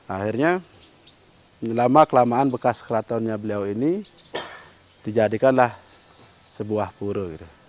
akhirnya kelamaan bekas keratonnya beliau ini dijadikanlah sebuah pura